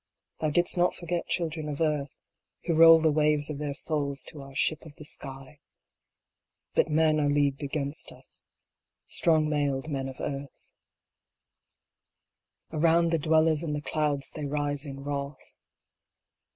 Thou didst not forget children of earth, who roll the waves of their souls to our ship of the sky. But men are leagued against us strong mailed men of earth, 44 BATTLE OF THE STARS. Around the dwellers in the clouds they rise in wrath.